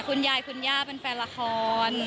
คุณยายคุณย่าเป็นแฟนละคร